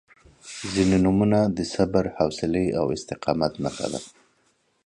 • ځینې نومونه د صبر، حوصلې او استقامت نښه ده.